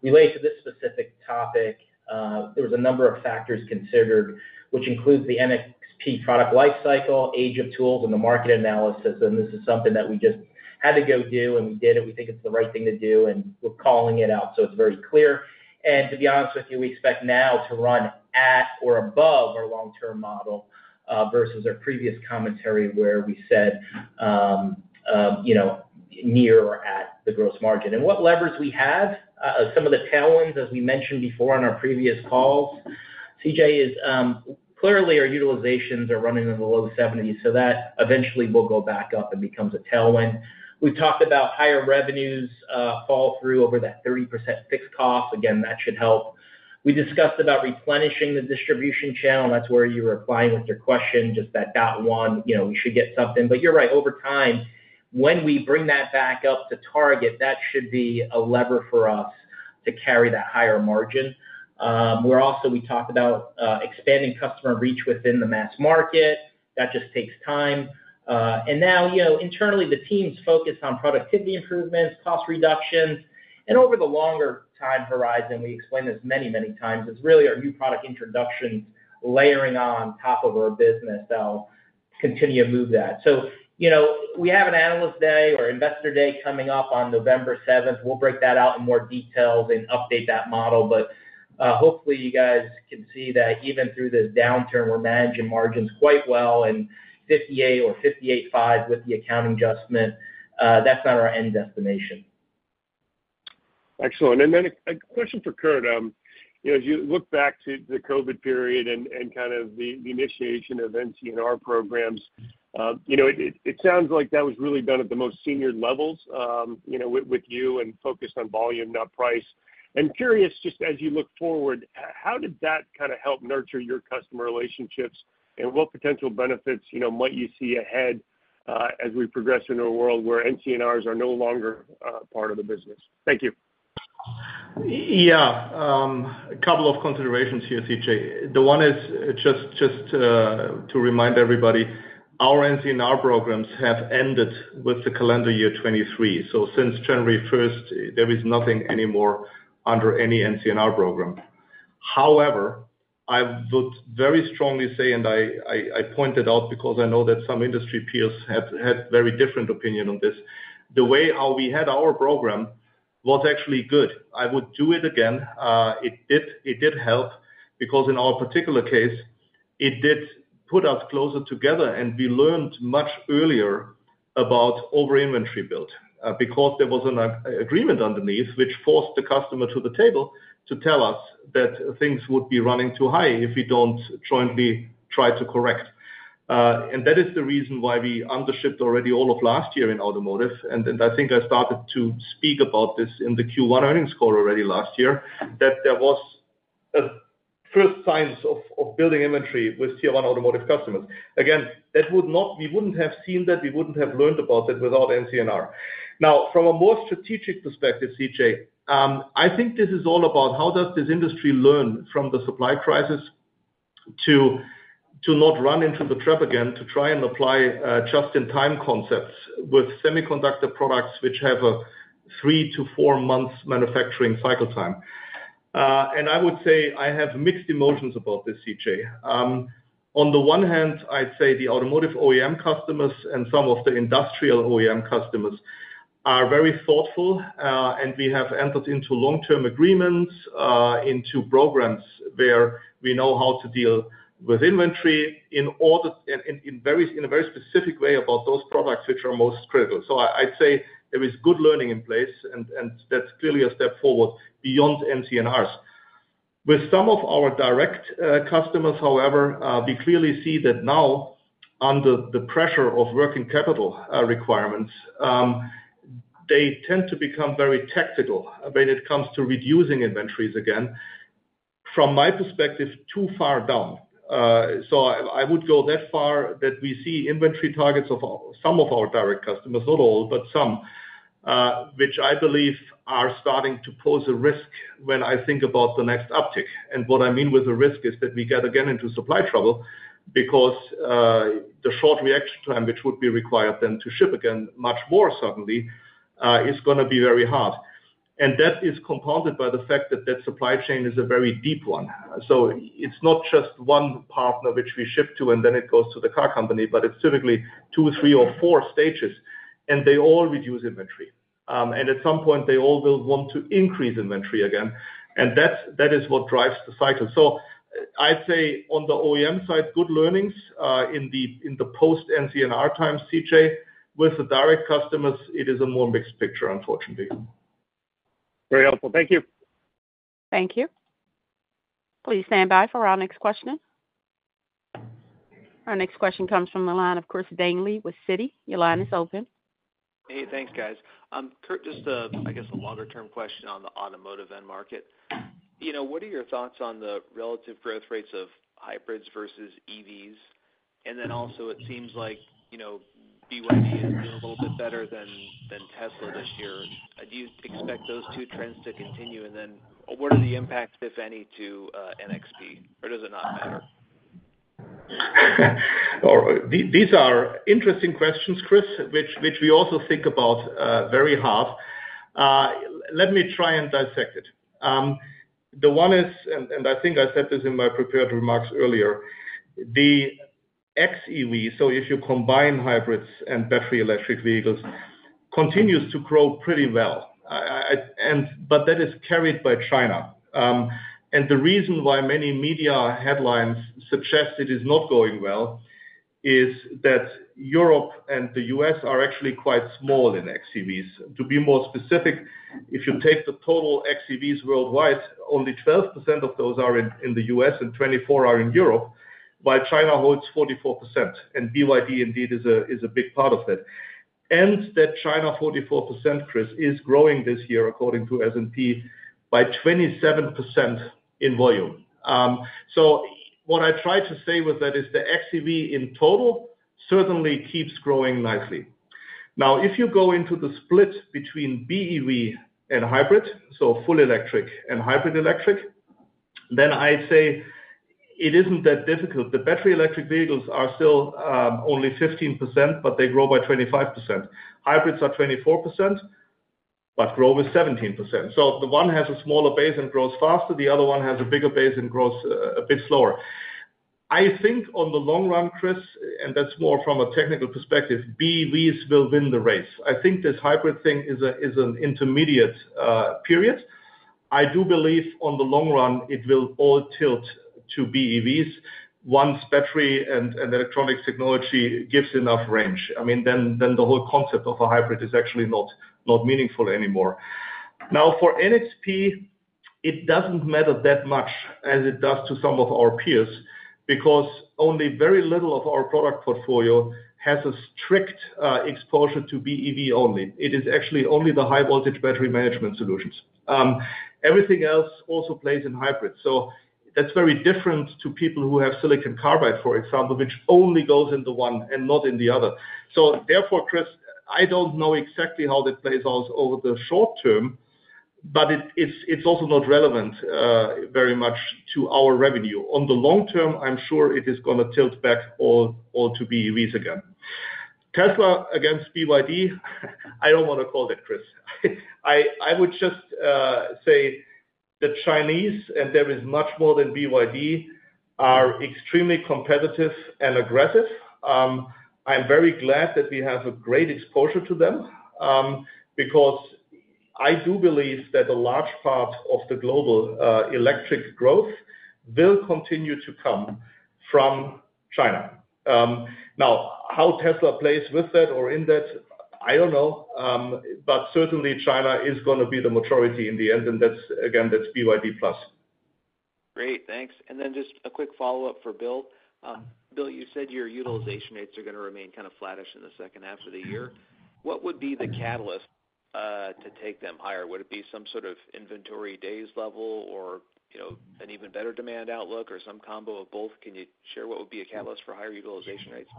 related to this specific topic, there was a number of factors considered which includes the NXP product lifecycle, age of tools, and the market analysis. And this is something that we just had to go do, and we did it. We think it's the right thing to do, and we're calling it out so it's very clear. To be honest with you, we expect now to run at or above our long-term model versus our previous commentary where we said near or at the gross margin. What levers we have, some of the tailwinds, as we mentioned before on our previous calls, CJ, is clearly our utilizations are running in the low 70s, so that eventually will go back up and becomes a tailwind. We've talked about higher revenues fall through over that 30% fixed cost. Again, that should help. We discussed about replenishing the distribution channel. That's where you were applying with your question, just that 0.1, we should get something. But you're right. Over time, when we bring that back up to target, that should be a lever for us to carry that higher margin. We're also talked about expanding customer reach within the mass market. That just takes time. Now, internally, the team's focused on productivity improvements, cost reductions. And over the longer time horizon, we explain this many, many times, it's really our new product introductions layering on top of our business that'll continue to move that. So we have an analyst day or investor day coming up on 7th November. We'll break that out in more details and update that model. But hopefully, you guys can see that even through this downturn, we're managing margins quite well and 58 or 58.5 with the accounting adjustment. That's not our end destination. Excellent. And then a question for Kurt. As you look back to the COVID period and kind of the initiation of NC&R programs, it sounds like that was really done at the most senior levels with you and focused on volume, not price. And curious, just as you look forward, how did that kind of help nurture your customer relationships? And what potential benefits might you see ahead as we progress in a world where NC&Rs are no longer part of the business? Thank you. Yeah. A couple of considerations here, CJ. The one is just to remind everybody, our NC&R programs have ended with the calendar year 2023. So since January 1st, there is nothing anymore under any NC&R program. However, I would very strongly say, and I pointed out because I know that some industry peers had very different opinion on this, the way how we had our program was actually good. I would do it again. It did help because in our particular case, it did put us closer together, and we learned much earlier about overinventory build because there was an agreement underneath which forced the customer to the table to tell us that things would be running too high if we don't jointly try to correct. And that is the reason why we undershipped already all of last year in automotive. I think I started to speak about this in the Q1 earnings call already last year, that there was first signs of building inventory with Tier One automotive customers. Again, we wouldn't have seen that. We wouldn't have learned about that without NC&R. Now, from a more strategic perspective, CJ, I think this is all about how does this industry learn from the supply crisis to not run into the trap again, to try and apply just-in-time concepts with semiconductor products which have a 3-4 months manufacturing cycle time. And I would say I have mixed emotions about this, CJ. On the one hand, I'd say the automotive OEM customers and some of the industrial OEM customers are very thoughtful, and we have entered into long-term agreements, into programs where we know how to deal with inventory in a very specific way about those products which are most critical. So I'd say there is good learning in place, and that's clearly a step forward beyond NC&Rs. With some of our direct customers, however, we clearly see that now, under the pressure of working capital requirements, they tend to become very tactical when it comes to reducing inventories again, from my perspective, too far down. So I would go that far that we see inventory targets of some of our direct customers, not all, but some, which I believe are starting to pose a risk when I think about the next uptick. And what I mean with a risk is that we get again into supply trouble because the short reaction time which would be required then to ship again much more suddenly is going to be very hard. And that is compounded by the fact that that supply chain is a very deep one. So it's not just one partner which we ship to, and then it goes to the car company, but it's typically two, three, or four stages. And they all reduce inventory. And at some point, they all will want to increase inventory again. And that is what drives the cycle. So I'd say on the OEM side, good learnings. In the post-NC&R time, CJ, with the direct customers, it is a more mixed picture, unfortunately. Very helpful. Thank you. Thank you. Please stand by for our next question. Our next question comes from the line, of course, Chris Danely with Citi. Your line is open. Hey. Thanks, guys. Kurt, just, I guess, a longer-term question on the automotive end market. What are your thoughts on the relative growth rates of hybrids versus EVs? And then also, it seems like BYD is doing a little bit better than Tesla this year. Do you expect those two trends to continue? And then what are the impacts, if any, to NXP, or does it not matter? These are interesting questions, Chris, which we also think about very hard. Let me try and dissect it. The one is, and I think I said this in my prepared remarks earlier, the XEV, so if you combine hybrids and battery electric vehicles, continues to grow pretty well. But that is carried by China. And the reason why many media headlines suggest it is not going well is that Europe and the U.S. are actually quite small in XEVs. To be more specific, if you take the total XEVs worldwide, only 12% of those are in the U.S. and 24% are in Europe, while China holds 44%. And BYD, indeed, is a big part of that. And that China 44%, Chris, is growing this year, according to S&P, by 27% in volume. So what I tried to say with that is the XEV in total certainly keeps growing nicely. Now, if you go into the split between BEV and hybrid, so full electric and hybrid electric, then I'd say it isn't that difficult. The battery electric vehicles are still only 15%, but they grow by 25%. Hybrids are 24% but grow with 17%. So the one has a smaller base and grows faster. The other one has a bigger base and grows a bit slower. I think on the long run, Chris, and that's more from a technical perspective, BEVs will win the race. I think this hybrid thing is an intermediate period. I do believe on the long run, it will all tilt to BEVs once battery and electronic technology gives enough range. I mean, then the whole concept of a hybrid is actually not meaningful anymore. Now, for NXP, it doesn't matter that much as it does to some of our peers because only very little of our product portfolio has a strict exposure to BEV only. It is actually only the high-voltage battery management solutions. Everything else also plays in hybrids. So that's very different to people who have Silicon Carbide, for example, which only goes in the one and not in the other. So therefore, Chris, I don't know exactly how that plays out over the short term, but it's also not relevant very much to our revenue. On the long term, I'm sure it is going to tilt back all to BEVs again. Tesla against BYD, I don't want to call that, Chris. I would just say the Chinese, and there is much more than BYD, are extremely competitive and aggressive. I'm very glad that we have a great exposure to them because I do believe that a large part of the global electric growth will continue to come from China. Now, how Tesla plays with that or in that, I don't know. But certainly, China is going to be the majority in the end. And again, that's BYD Plus. Great. Thanks. And then just a quick follow-up for Bill. Bill, you said your utilization rates are going to remain kind of flat-ish in the second half of the year. What would be the catalyst to take them higher? Would it be some sort of inventory days level or an even better demand outlook or some combo of both? Can you share what would be a catalyst for higher utilization rates?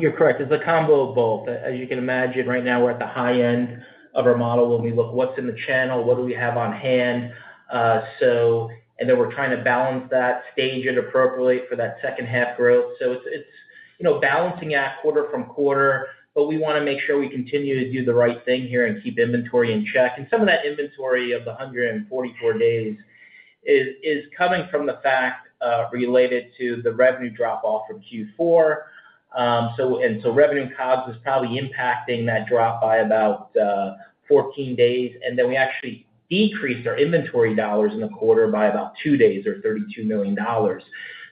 You're correct. It's a combo of both. As you can imagine, right now, we're at the high end of our model when we look at what's in the channel, what do we have on hand. And then we're trying to balance that stock appropriately for that second-half growth. So it's balancing out quarter from quarter. But we want to make sure we continue to do the right thing here and keep inventory in check. And some of that inventory of the 144 days is coming from the fact related to the revenue drop-off from Q4. And so revenue COGS is probably impacting that drop by about 14 days. And then we actually decreased our inventory dollars in the quarter by about two days or $32 million.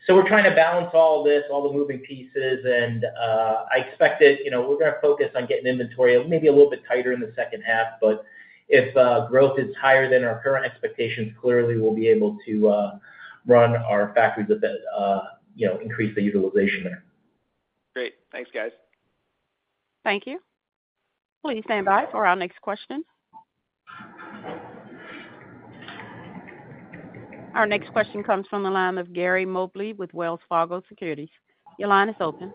So we're trying to balance all this, all the moving pieces. I expect that we're going to focus on getting inventory maybe a little bit tighter in the second half. But if growth is higher than our current expectations, clearly, we'll be able to run our factories a bit, increase the utilization there. Great. Thanks, guys. Thank you. Please stand by for our next question. Our next question comes from the line of Gary Mobley with Wells Fargo Securities. Your line is open.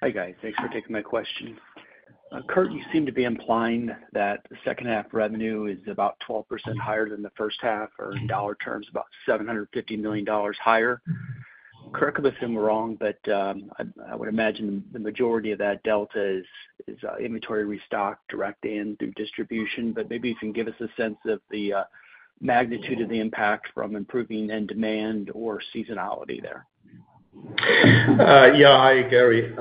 Hi, guys. Thanks for taking my question. Kurt, you seem to be implying that the second-half revenue is about 12% higher than the first half or, in dollar terms, about $750 million higher. Correct me if I'm wrong, but I would imagine the majority of that delta is inventory restocked direct in through distribution. But maybe you can give us a sense of the magnitude of the impact from improving end demand or seasonality there. Yeah. Hi, Gary.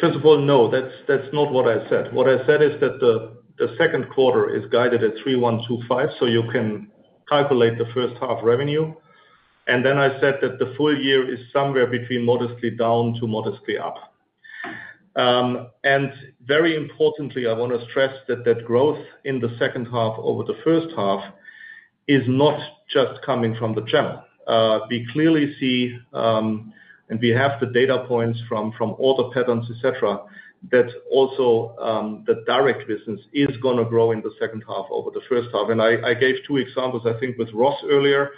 First of all, no. That's not what I said. What I said is that the Q2 is guided at $3,125, so you can calculate the first half revenue. And then I said that the full year is somewhere between modestly down to modestly up. And very importantly, I want to stress that that growth in the second half over the first half is not just coming from the channel. We clearly see, and we have the data points from all the patterns, etc., that also the direct business is going to grow in the second half over the first half. And I gave two examples, I think, with Ross earlier.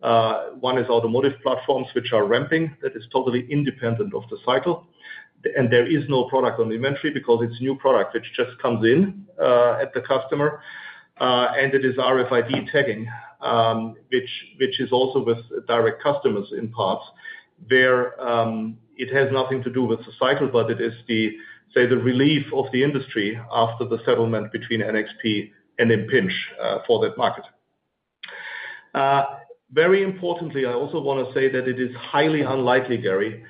One is automotive platforms which are ramping. That is totally independent of the cycle. And there is no product on inventory because it's new product which just comes in at the customer. It is RFID tagging, which is also with direct customers in parts, where it has nothing to do with the cycle, but it is, say, the relief of the industry after the settlement between NXP and Impinj for that market. Very importantly, I also want to say that it is highly unlikely, Gary, that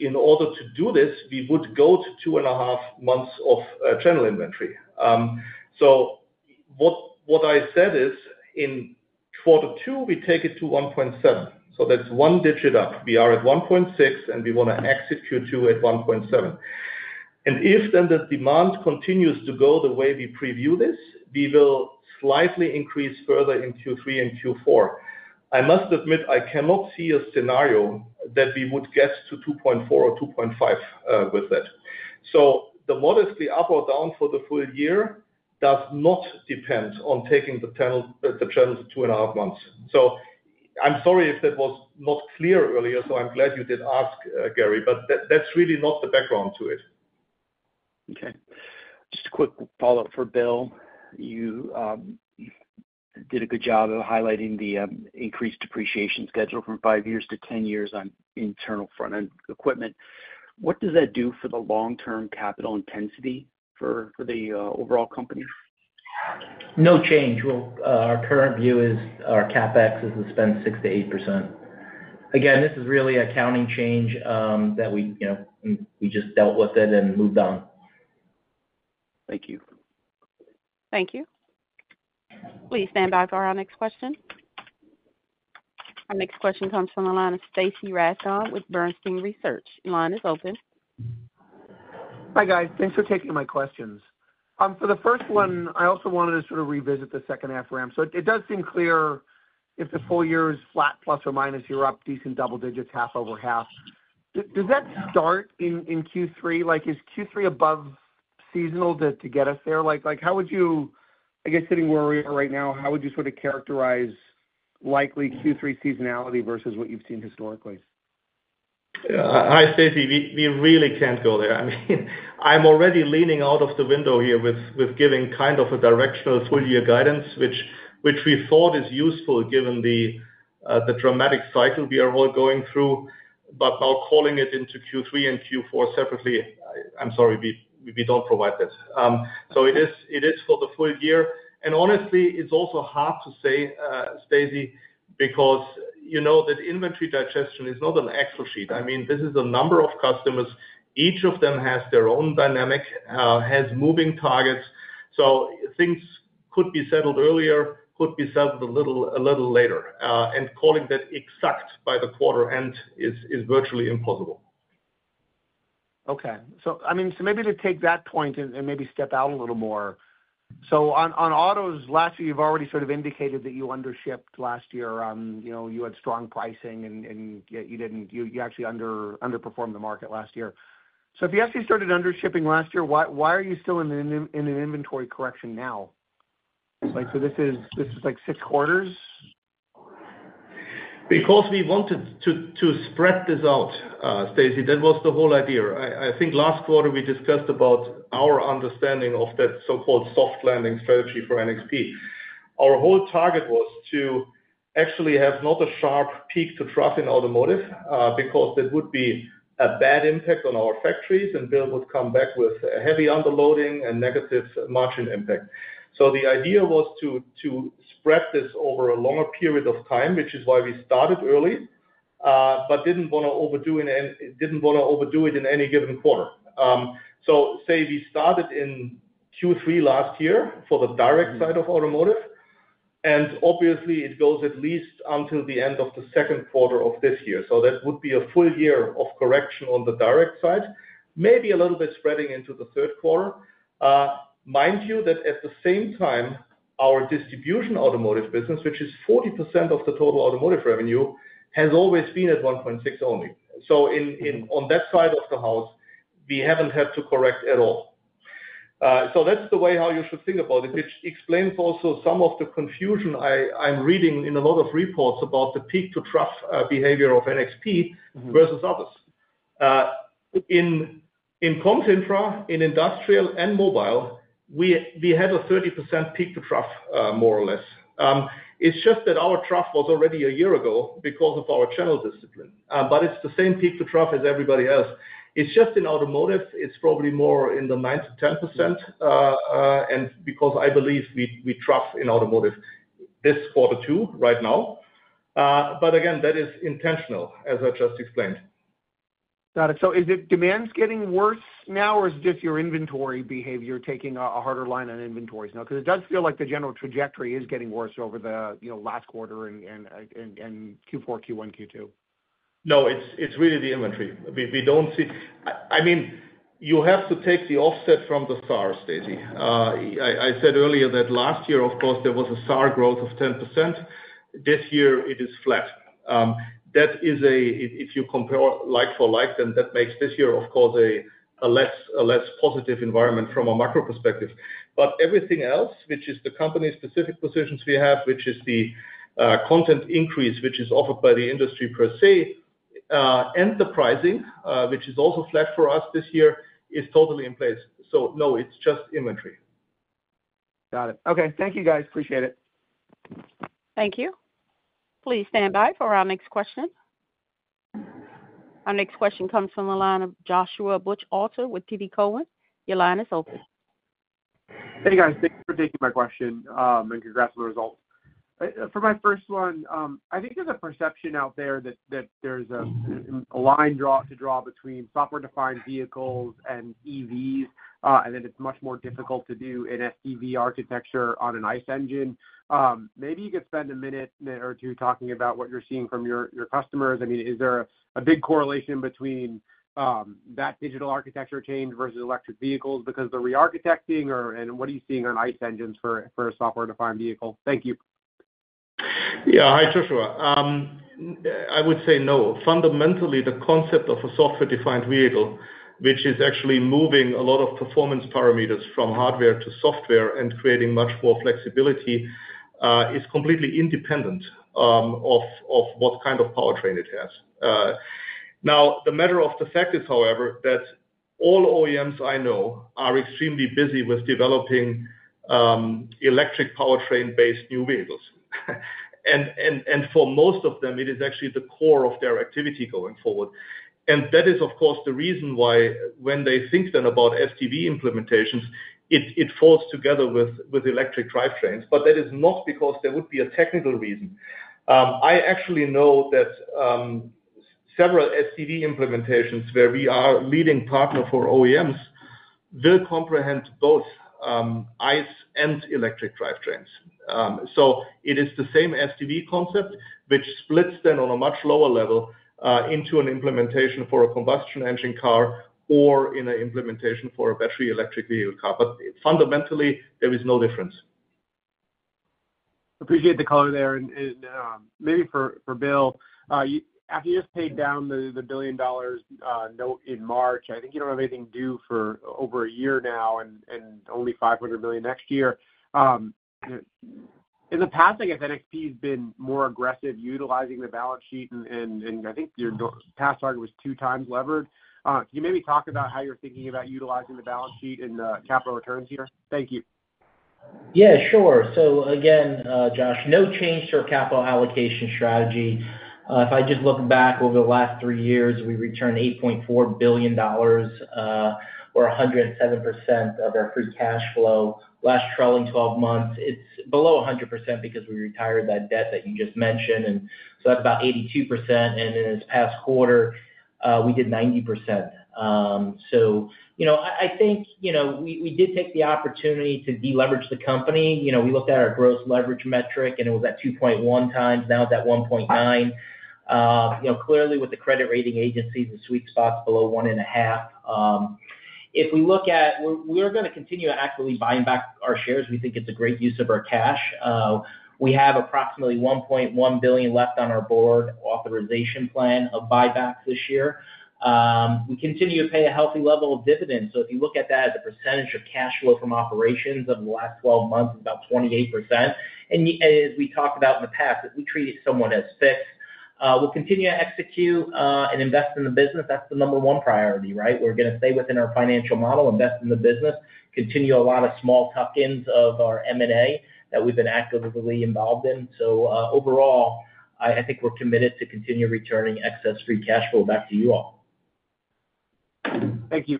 in order to do this, we would go to 2.5 months of channel inventory. So what I said is, in Q2, we take it to 1.7. So that's one digit up. We are at 1.6, and we want to exit Q2 at 1.7. And if then the demand continues to go the way we preview this, we will slightly increase further in Q3 and Q4. I must admit, I cannot see a scenario that we would get to 2.4 or 2.5 with that. So the modestly up or down for the full year does not depend on taking the channel to two and a half months. So I'm sorry if that was not clear earlier. So I'm glad you did ask, Gary. But that's really not the background to it. Okay. Just a quick follow-up for Bill. You did a good job of highlighting the increased depreciation schedule from 5 years to 10 years on internal front-end equipment. What does that do for the long-term capital intensity for the overall company? No change. Our current view is our CapEx is to spend 6%-8%. Again, this is really accounting change that we just dealt with it and moved on. Thank you. Thank you. Please stand by for our next question. Our next question comes from the line of Stacy Rasgon with Bernstein Research. Your line is open. Hi, guys. Thanks for taking my questions. For the first one, I also wanted to sort of revisit the second-half ramp. So it does seem clear if the full year is flat plus or minus, you're up decent double digits, half over half. Does that start in Q3? Is Q3 above seasonal to get us there? I guess, sitting where we are right now, how would you sort of characterize likely Q3 seasonality versus what you've seen historically? Hi, Stacy. We really can't go there. I mean, I'm already leaning out of the window here with giving kind of a directional full-year guidance, which we thought is useful given the dramatic cycle we are all going through. But now calling it into Q3 and Q4 separately, I'm sorry, we don't provide that. So it is for the full year. And honestly, it's also hard to say, Stacy, because that inventory digestion is not an Excel sheet. I mean, this is a number of customers. Each of them has their own dynamic, has moving targets. So things could be settled earlier, could be settled a little later. And calling that exact by the quarter end is virtually impossible. Okay. So I mean, so maybe to take that point and maybe step out a little more. So on autos, last year, you've already sort of indicated that you undershipped last year. You had strong pricing, and you actually underperformed the market last year. So if you actually started undershipping last year, why are you still in an inventory correction now? So this is like six quarters? Because we wanted to spread this out, Stacy. That was the whole idea. I think last quarter, we discussed about our understanding of that so-called soft landing strategy for NXP. Our whole target was to actually have not a sharp peak to trough in automotive because that would be a bad impact on our factories. Bill would come back with heavy underloading and negative margin impact. So the idea was to spread this over a longer period of time, which is why we started early but didn't want to overdo it in any given quarter. So say we started in Q3 last year for the direct side of automotive. And obviously, it goes at least until the end of the Q2 of this year. So that would be a full year of correction on the direct side, maybe a little bit spreading into the Q3. Mind you that at the same time, our distribution automotive business, which is 40% of the total automotive revenue, has always been at 1.6 only. So on that side of the house, we haven't had to correct at all. So that's the way how you should think about it, which explains also some of the confusion I'm reading in a lot of reports about the peak-to-trough behavior of NXP versus others. In comms infra, in industrial and mobile, we had a 30% peak-to-trough, more or less. It's just that our trough was already a year ago because of our channel discipline. But it's the same peak-to-trough as everybody else. It's just in automotive, it's probably more in the 9%-10% because I believe we trough in automotive this Q2 right now. But again, that is intentional, as I just explained. Got it. So is it demand's getting worse now, or is it just your inventory behavior taking a harder line on inventories now? Because it does feel like the general trajectory is getting worse over the last quarter and Q4, Q1, Q2. No, it's really the inventory. I mean, you have to take the offset from the SAAR, Stacy. I said earlier that last year, of course, there was a SAAR growth of 10%. This year, it is flat. If you compare like for like, then that makes this year, of course, a less positive environment from a macro perspective. But everything else, which is the company-specific positions we have, which is the content increase which is offered by the industry per se, and the pricing, which is also flat for us this year, is totally in place. So no, it's just inventory. Got it. Okay. Thank you, guys. Appreciate it. Thank you. Please stand by for our next question. Our next question comes from the line of Joshua Buchalter with TD Cowen. Your line is open. Hey, guys. Thanks for taking my question and congrats on the results. For my first one, I think there's a perception out there that there's a line to draw between software-defined vehicles and EVs, and that it's much more difficult to do in SDV architecture on an ICE engine. Maybe you could spend a minute or two talking about what you're seeing from your customers. I mean, is there a big correlation between that digital architecture change versus electric vehicles because they're rearchitecting? And what are you seeing on ICE engines for a software-defined vehicle? Thank you. Yeah. Hi, Joshua. I would say no. Fundamentally, the concept of a software-defined vehicle, which is actually moving a lot of performance parameters from hardware to software and creating much more flexibility, is completely independent of what kind of powertrain it has. Now, the matter of the fact is, however, that all OEMs I know are extremely busy with developing electric powertrain-based new vehicles. And for most of them, it is actually the core of their activity going forward. And that is, of course, the reason why when they think then about SDV implementations, it falls together with electric drivetrains. But that is not because there would be a technical reason. I actually know that several SDV implementations where we are leading partner for OEMs will comprehend both ICE and electric drivetrains. It is the same SDV concept, which splits, then, on a much lower level into an implementation for a combustion engine car or an implementation for a battery electric vehicle car. Fundamentally, there is no difference. Appreciate the color there. And maybe for Bill, after you just paid down the billion-dollar note in March, I think you don't have anything due for over a year now and only $500 million next year. In the past, I guess NXP has been more aggressive utilizing the balance sheet. And I think your past target was 2x levered. Can you maybe talk about how you're thinking about utilizing the balance sheet in the capital returns here? Thank you. Yeah. Sure. So again, Josh, no change to our capital allocation strategy. If I just look back over the last three years, we returned $8.4 billion or 107% of our free cash flow last 12 months. It's below 100% because we retired that debt that you just mentioned. And so that's about 82%. And in this past quarter, we did 90%. So I think we did take the opportunity to deleverage the company. We looked at our gross leverage metric, and it was at 2.1 times. Now it's at 1.9. Clearly, with the credit rating agencies, the sweet spot's below 1.5. If we look at we're going to continue to actively buying back our shares. We think it's a great use of our cash. We have approximately $1.1 billion left on our board authorization plan of buyback this year. We continue to pay a healthy level of dividends. So if you look at that as a percentage of cash flow from operations over the last 12 months, it's about 28%. And as we talked about in the past, we treat it somewhat as fixed. We'll continue to execute and invest in the business. That's the number one priority, right? We're going to stay within our financial model, invest in the business, continue a lot of small tuck-ins of our M&A that we've been actively involved in. So overall, I think we're committed to continue returning excess free cash flow back to you all. Thank you.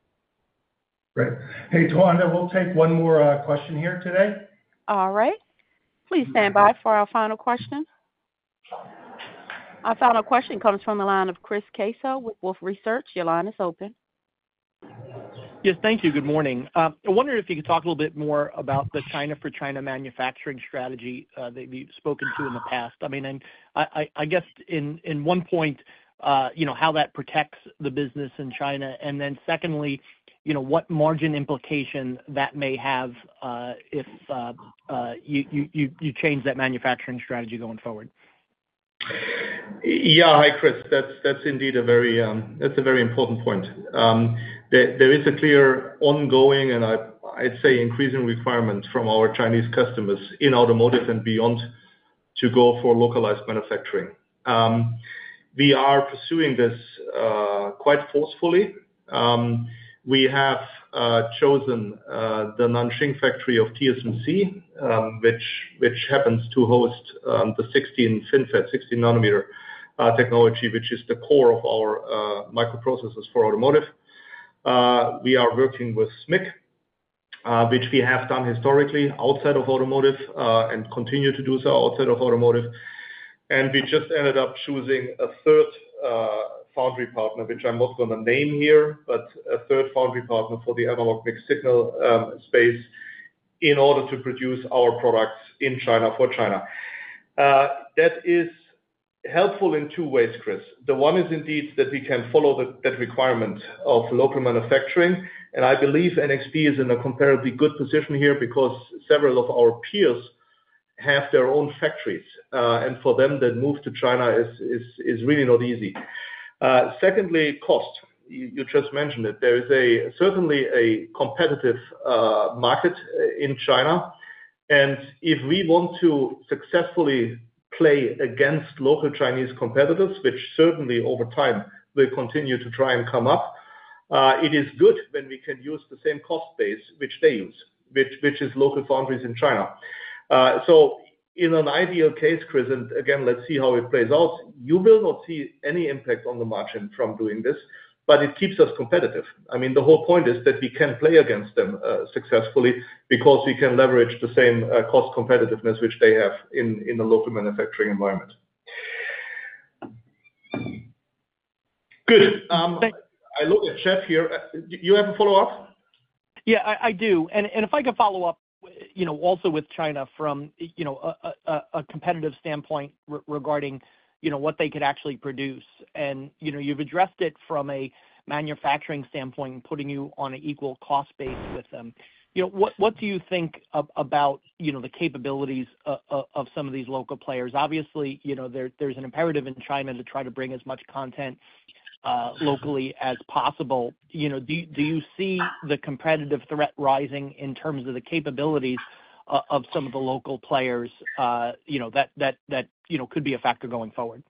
Great. Hey, Tawanda, we'll take one more question here today. All right. Please stand by for our final question. Our final question comes from the line of Chris Caso with Wolfe Research. Your line is open. Yes. Thank you. Good morning. I wondered if you could talk a little bit more about the China-for-China manufacturing strategy that we've spoken to in the past. I mean, I guess in one point, how that protects the business in China. And then secondly, what margin implication that may have if you change that manufacturing strategy going forward. Yeah. Hi, Chris. That's indeed a very that's a very important point. There is a clear ongoing, and I'd say increasing requirement from our Chinese customers in automotive and beyond to go for localized manufacturing. We are pursuing this quite forcefully. We have chosen the Nanjing factory of TSMC, which happens to host the 16 FinFET, 16-nanometer technology, which is the core of our microprocessors for automotive. We are working with SMIC, which we have done historically outside of automotive and continue to do so outside of automotive. And we just ended up choosing a Q3 foundry partner, which I'm not going to name here, but a Q3 foundry partner for the analog mixed signal space in order to produce our products in China for China. That is helpful in two ways, Chris. The one is indeed that we can follow that requirement of local manufacturing. I believe NXP is in a comparably good position here because several of our peers have their own factories. For them, that move to China is really not easy. Secondly, cost. You just mentioned it. There is certainly a competitive market in China. If we want to successfully play against local Chinese competitors, which certainly over time will continue to try and come up, it is good when we can use the same cost base, which they use, which is local foundries in China. In an ideal case, Chris, and again, let's see how it plays out. You will not see any impact on the margin from doing this, but it keeps us competitive. I mean, the whole point is that we can play against them successfully because we can leverage the same cost competitiveness, which they have in the local manufacturing environment. Good. I look at Jeff here. Do you have a follow-up? Yeah, I do. And if I could follow up also with China from a competitive standpoint regarding what they could actually produce. And you've addressed it from a manufacturing standpoint, putting you on an equal cost base with them. What do you think about the capabilities of some of these local players? Obviously, there's an imperative in China to try to bring as much content locally as possible. Do you see the competitive threat rising in terms of the capabilities of some of the local players that could be a factor going forward?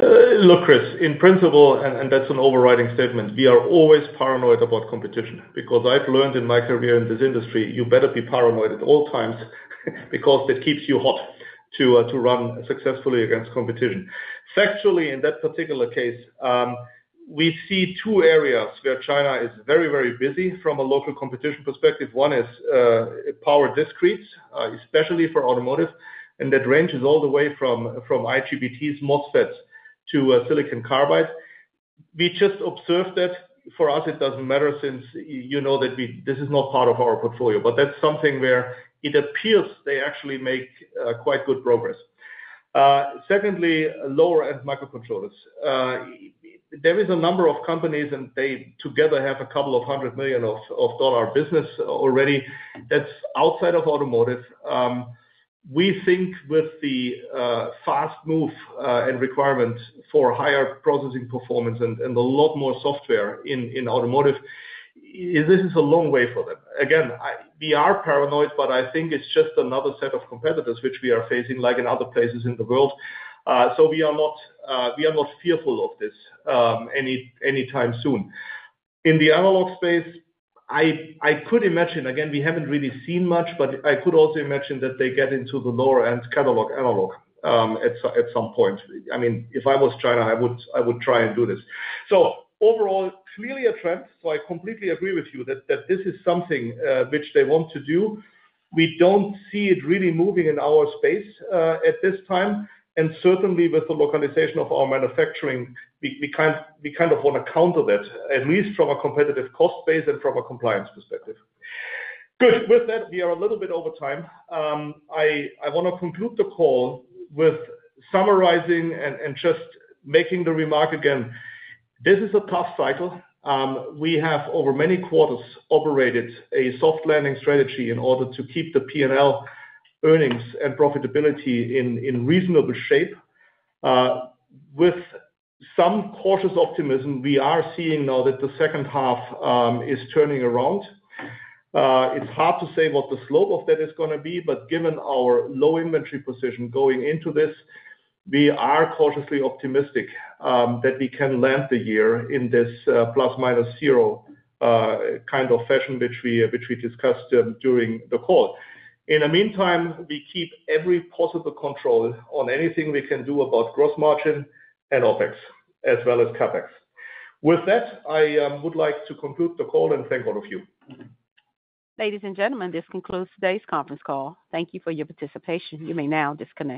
Look, Chris, in principle, and that's an overriding statement, we are always paranoid about competition because I've learned in my career in this industry, you better be paranoid at all times because that keeps you hot to run successfully against competition. Factually, in that particular case, we see two areas where China is very, very busy from a local competition perspective. One is power discretes, especially for automotive. And that range is all the way from IGBTs, MOSFETs, to Silicon Carbide. We just observed that. For us, it doesn't matter since you know that this is not part of our portfolio. But that's something where it appears they actually make quite good progress. Secondly, lower-end microcontrollers. There is a number of companies, and they together have a couple hundred million-dollar business already. That's outside of automotive. We think with the fast move and requirement for higher processing performance and a lot more software in automotive, this is a long way for them. Again, we are paranoid, but I think it's just another set of competitors, which we are facing like in other places in the world. So we are not fearful of this anytime soon. In the analog space, I could imagine again, we haven't really seen much, but I could also imagine that they get into the lower-end catalog analog at some point. I mean, if I was China, I would try and do this. So overall, clearly a trend. So I completely agree with you that this is something which they want to do. We don't see it really moving in our space at this time. And certainly, with the localization of our manufacturing, we kind of want to counter that, at least from a competitive cost base and from a compliance perspective. Good. With that, we are a little bit over time. I want to conclude the call with summarizing and just making the remark again. This is a tough cycle. We have over many quarters operated a soft landing strategy in order to keep the P&L earnings and profitability in reasonable shape. With some cautious optimism, we are seeing now that the second half is turning around. It's hard to say what the slope of that is going to be. But given our low inventory position going into this, we are cautiously optimistic that we can land the year in this plus-minus zero kind of fashion, which we discussed during the call. In the meantime, we keep every possible control on anything we can do about gross margin and OpEx as well as CapEx. With that, I would like to conclude the call and thank all of you. Ladies and gentlemen, this concludes today's conference call. Thank you for your participation. You may now disconnect.